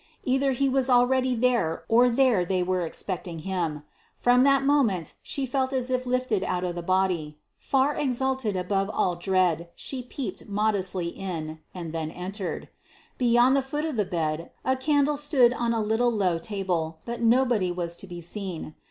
Either he was already there or there they were expecting him. From that moment she felt as if lifted out of the body. Far exalted above all dread, she peeped modestly in, and then entered. Beyond the foot of the bed, a candle stood on a little low table, but nobody was to be seen.